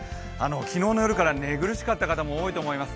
昨日の夜から寝苦しかった方多かったと思います。